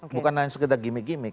bukan hanya sekedar gimmick gimmick